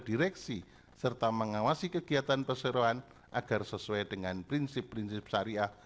direksi serta mengawasi kegiatan perseroan agar sesuai dengan prinsip prinsip syariah